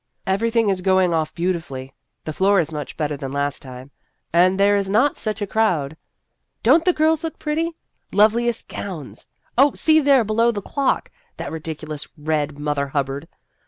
" Everything is going off beauti fully. The floor is much better than last time, and there is not such a crowd. Don't the girls look pretty ! Loveliest gowns ! Oh, see there below the clock ! that ridiculous red Mother Hubbard